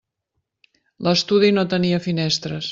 L'estudi no tenia finestres.